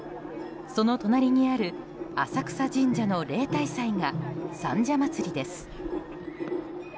その隣にある、浅草神社の例大祭が、三社祭です。